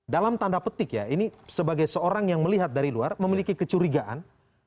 dalam tanda petik ya ini sebagai seorang yang melihat dari luar memiliki kecurigaan